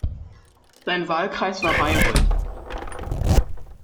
Sein Wahlkreis war Bayreuth.